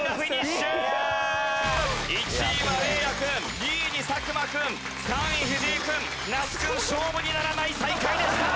１位は嶺亜君２位に作間君３位藤井君那須君勝負にならない最下位でした！